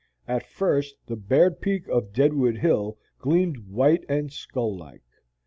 At first the bared peak of Deadwood Hill gleamed white and skull like.